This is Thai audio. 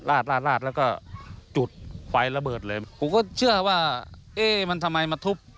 ลาดลาดแล้วก็จุดไฟระเบิดเลยผมก็เชื่อว่าเอ๊ะมันทำไมมาทุบ